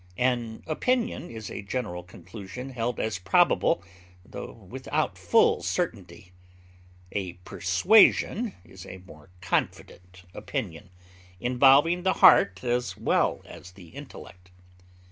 An opinion is a general conclusion held as probable, tho without full certainty; a persuasion is a more confident opinion, involving the heart as well as the intellect.